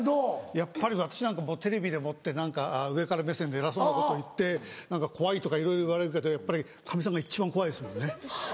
やっぱり私なんかテレビでもって何か上から目線で偉そうなこと言って怖いとかいろいろ言われるけどやっぱりカミさんが一番怖いですもんね。